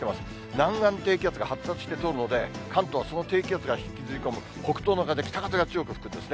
南岸低気圧が発達して通るので、関東はその風が吹き込む北風が強く吹くんですね。